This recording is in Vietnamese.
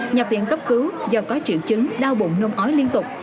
nhập viện cấp cứu do có triệu chứng đau bụng nôn ói liên tục